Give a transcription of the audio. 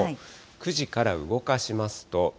９時から動かしますと。